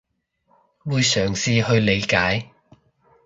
會嘗試去理解